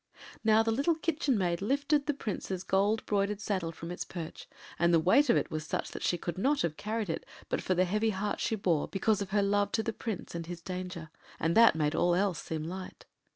Now the little Kitchen Maid lifted the Prince’s gold broidered saddle from its perch, and the weight of it was such that she could not have carried it but for the heavy heart she bore because of her love to the Prince and his danger, and that made all else seem light.